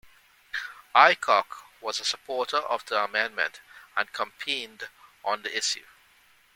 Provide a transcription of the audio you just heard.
Aycock was a supporter of the amendment and campaigned on the issue.